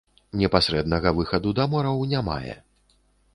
Непасрэднага выхаду да мораў не мае.